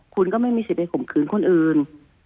คุณก็ไม่มีสิทธิ์ไปข่มขืนคนอื่น